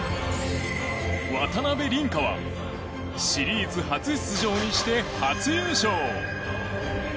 渡辺倫果はシリーズ初出場にして初優勝。